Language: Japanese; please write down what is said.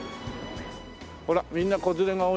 ほらみんな子連れが多いね。